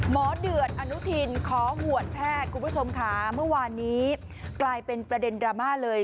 เดือดอนุทินขอหวดแพทย์คุณผู้ชมค่ะเมื่อวานนี้กลายเป็นประเด็นดราม่าเลย